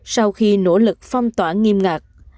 sau khi nỗ lực phong tỏa nghiêm ngạc